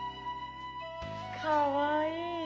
かわいい。